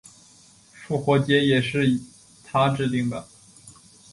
复活节也是他制定的。